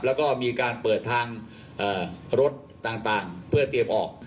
แล้วก็มีการเปิดทางรถต่างเพื่อเตรียมออก